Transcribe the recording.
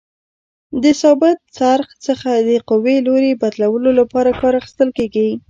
د ثابت څرخ څخه د قوې لوري بدلولو لپاره کار اخیستل کیږي.